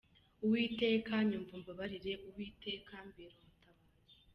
Uwiteka nyumva umbabarire, Uwiteka mbera umutabazi.”